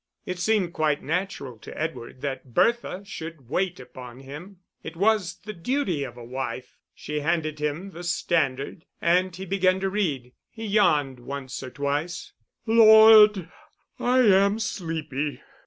It seemed quite natural to Edward that Bertha should wait upon him: it was the duty of a wife. She handed him the Standard, and he began to read; he yawned once or twice. "Lord, I am sleepy."